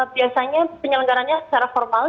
biasanya penyelenggarannya secara formal